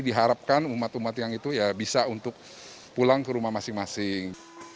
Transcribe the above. diharapkan umat umat yang itu ya bisa untuk pulang ke rumah masing masing